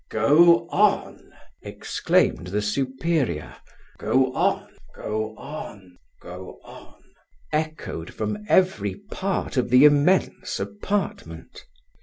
"Go on!" exclaimed the superior. "Go on! go on!" echoed from every part of the immense apartment.